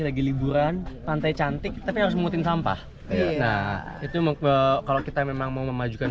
lagi liburan pantai cantik tapi harus memutin sampah nah itu kalau kita memang mau memajukan